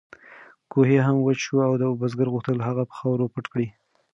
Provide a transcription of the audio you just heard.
کوهی هم وچ شوی و او بزګر غوښتل هغه په خاورو پټ کړي.